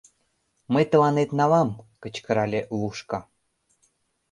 — Мый тыланет налам, — кычкырале Лушка.